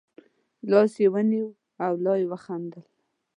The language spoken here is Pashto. لاس یې ونیو او لا یې خندل.